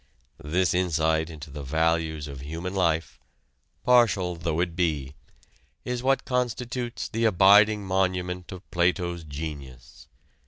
This insight into the values of human life, partial though it be, is what constitutes the abiding monument of Plato's genius.